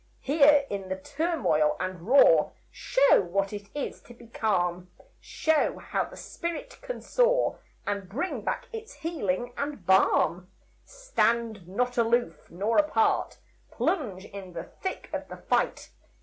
Here, in the turmoil and roar, Show what it is to be calm; Show how the spirit can soar And bring back its healing and balm. Stand not aloof nor apart, Plunge in the thick of the fight.